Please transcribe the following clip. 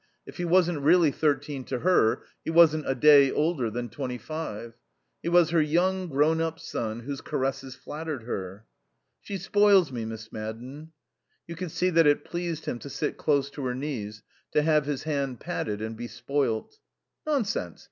If he wasn't really thirteen to her he wasn't a day older than twenty five; he was her young grown up son whose caresses flattered her. "She spoils me, Miss Madden." You could see that it pleased him to sit close to her knees, to have his hand patted and be spoilt. "Nonsense.